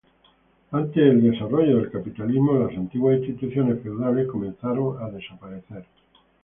Ante el desarrollo del capitalismo, las antiguas instituciones feudales comenzaron a desaparecer.